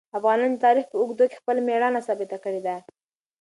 افغانانو د تاریخ په اوږدو کې خپل مېړانه ثابته کړې ده.